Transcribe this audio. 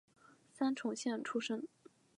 三重县出身。